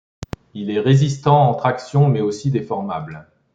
Il est résistant en traction, mais aussi déformable.